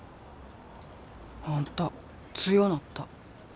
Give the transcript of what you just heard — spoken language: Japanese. あんた強なった。